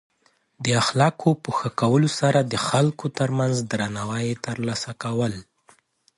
د اخلاقو په ښه کولو سره د خلکو ترمنځ درناوی ترلاسه کول.